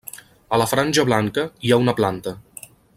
A la franja blanca hi ha una planta.